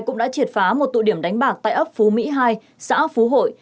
cũng đã triệt phá một tụ điểm đánh bạc tại ấp phú mỹ hai xã phú hội